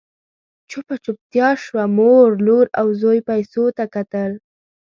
چوپه چوپتيا شوه، مور، لور او زوی پيسو ته کتل…